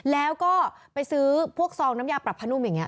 แล้วก็ไปซื้อพวกซองน้ำยาปรับพนุ่มอย่างนี้